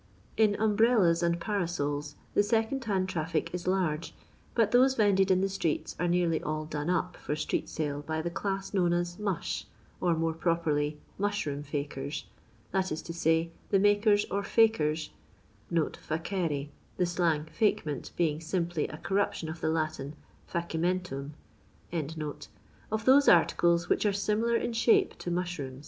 In UmhrelUu and ParasoU the second hand traffic is large, but those vended in the streets are nearly all " done up " for street sale by the class known as *• Mush," or more properly " Mushroom Fakers," that is to say, the makers or faixrs {/acere — the slang falement being simply a cor ruption of the Latm JacimetUum) of those articles which are similar in shape to muth'oofM.